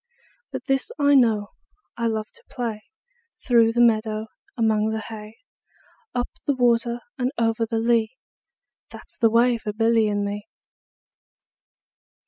20 But this I know, I love to play Through the meadow, among the hay; Up the water and over the lea, That 's the way for Billy and me.